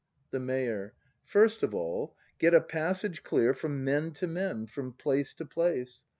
The Mayor. First of all, get a passage clear From men to men, from place to place.